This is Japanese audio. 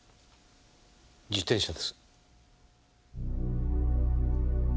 自転車です。